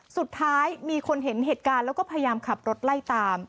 สุดท้ายมีคนเห็นเหตุการณ์แล้วก็พยายามขับรถไล่ตาม